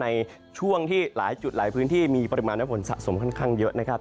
ในช่วงที่หลายจุดหลายพื้นที่มีปริมาณน้ำฝนสะสมค่อนข้างเยอะนะครับ